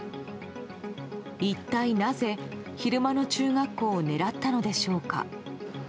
一体なぜ、昼間の中学校を狙ったのでしょうか。